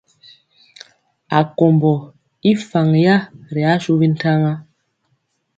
Akombɔ i faŋ ya ri ashu bintaŋa.